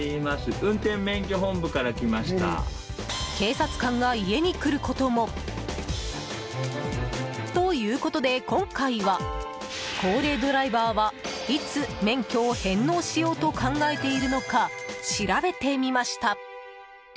警察官が家に来ることも。ということで、今回は高齢ドライバーはいつ免許を返納しようと考えているのかしらべてみました。